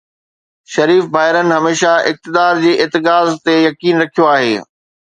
شريف ڀائرن هميشه اقتدار جي ارتکاز تي يقين رکيو آهي.